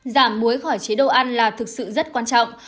giảm muối khỏi chế độ ăn là thực sự rất quan trọng